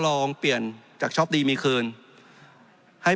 จริงโครงการนี้มันเป็นภาพสะท้อนของรัฐบาลชุดนี้ได้เลยนะครับ